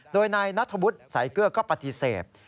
โดยนายนัทธวุฒิสายเกลือก็ปฏิเสธ